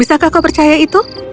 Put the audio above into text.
bisakah kau percaya itu